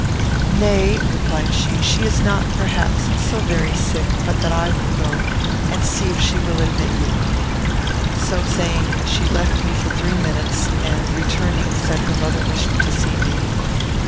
"Nay," replied she, "she is not, perhaps, so very sick but that I will go, and see if she will admit you." So saying, she left me for three minutes; and, returning, said her mother wished to see me.